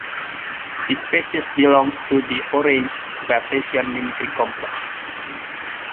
This species belongs to the "orange" Batesian mimicry complex.